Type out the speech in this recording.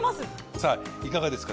さぁいかがですか？